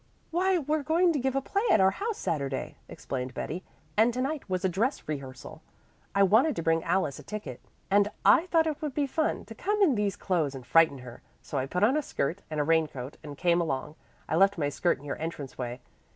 "Why, we're going to give a play at our house Saturday," explained Betty, "and to night was a dress rehearsal. I wanted to bring Alice a ticket, and I thought it would be fun to come in these clothes and frighten her; so I put on a skirt and a rain coat and came along. I left my skirt in your entrance way.